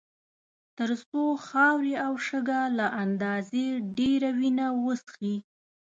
تر څو خاورې او شګه له اندازې ډېره وینه وڅښي.